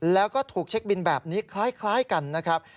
แล้วก็ถูกเช็คบินแบบนี้คล้ายกันนะครับ